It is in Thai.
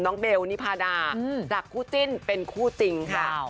เบลนิพาดาจากคู่จิ้นเป็นคู่จริงค่ะ